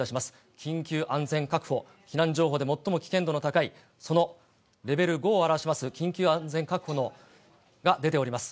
緊急安全確保、避難情報で最も危険度の高い、そのレベル５を表します緊急安全確保が出ております。